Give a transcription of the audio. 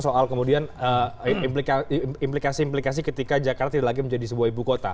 soal kemudian implikasi implikasi ketika jakarta tidak lagi menjadi sebuah ibu kota